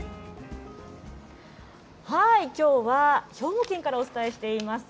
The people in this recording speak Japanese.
きょうは兵庫県からお伝えしています。